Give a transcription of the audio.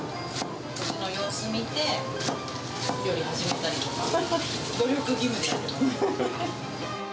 こっちの様子見て料理始めたりとか、努力義務でやってます。